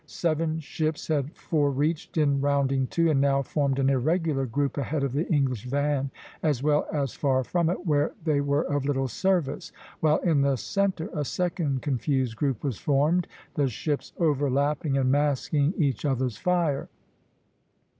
Seven ships had forereached in rounding to, and now formed an irregular group ahead of the English van, as well as far from it, where they were of little service; while in the centre a second confused group was formed, the ships overlapping and masking each other's fire.